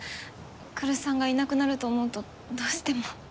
来栖さんがいなくなると思うとどうしても。